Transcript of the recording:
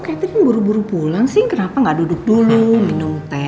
kok catherine buru buru pulang sih kenapa gak duduk dulu minum teh